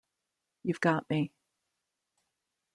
You've got me.